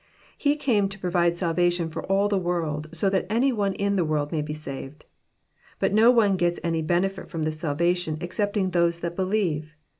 He came to provide salvation for all the world, so that any one in the world may be saved. But no one gets any beneflt from this salvation excepting those that believe.